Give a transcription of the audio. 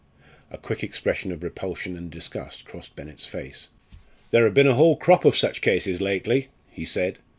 A quick expression of repulsion and disgust crossed Bennett's face. "There have been a whole crop of such cases lately," he said.